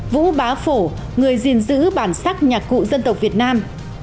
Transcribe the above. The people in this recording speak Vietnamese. vũ bá phổ người gìn giữ bản sắc nhạc cụ dân tộc việt nam